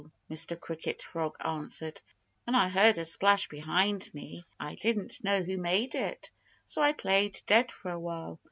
Mr. Cricket Frog answered. "When I heard a splash behind me I didn't know who made it. So I played dead for a while.